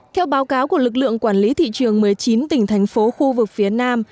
theo báo cáo của lực lượng quản lý thị trường một mươi chín tỉnh thành phố khu vực phía nam